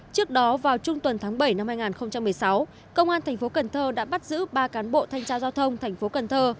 trước đó vào trung tuần tháng bảy năm hai nghìn một mươi sáu công an tp cần thơ đã bắt giữ ba cán bộ thanh tra giao thông tp cần thơ